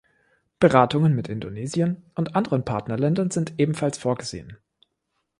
Beratungen mit Indonesien und anderen Partnerländern sind ebenfalls vorgesehen.